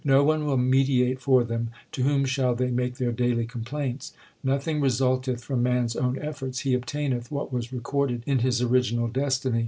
No one will mediate for them ; to whom shall they make their daily complaints ? Nothing resulteth from man s own efforts ; he obtaineth what was recorded in his original destiny.